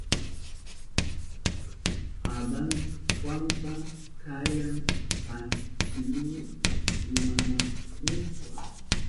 Adan Juanta kayan antsiluk rinankunapa.